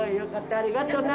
ありがとな。